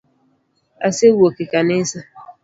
Ase wuok e kanisa